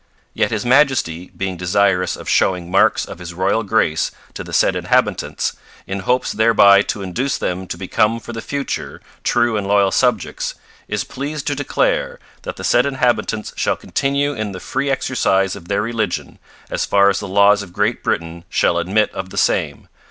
yet His Majesty being desirous of shewing marks of his royal grace to the said inhabitants, in hopes thereby to induce them to become for the future true and loyal subjects, is pleased to declare, that the said inhabitants shall continue in the free exercise of their religion, as far as the Laws of Great Britain shall admit of the same